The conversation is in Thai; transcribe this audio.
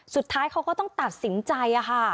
สุดท้ายเขาก็ต้องตัดสินใจค่ะ